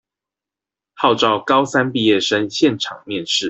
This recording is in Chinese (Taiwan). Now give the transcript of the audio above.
號召高三畢業生現場面試